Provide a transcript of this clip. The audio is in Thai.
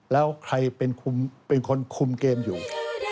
แล้วใครเป็นคนคุมเกมอยู่